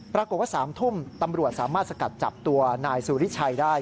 ปรากฏว่า๓ทุ่มตำรวจสามารถสกัดจับตัวนายสุริชัยได้